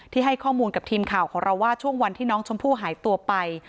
ให้ข้อมูลกับทีมข่าวของเราว่าช่วงวันที่น้องชมพู่หายตัวไป